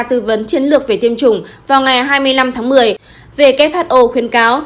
tư vấn chiến lược về tiêm chủng vào ngày hai mươi năm tháng một mươi về who khuyên cáo